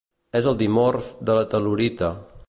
És el dimorf de la tel·lurita.